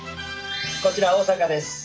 こちら大阪です。